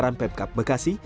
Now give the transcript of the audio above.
pemadam kebakaran pemkap bekasi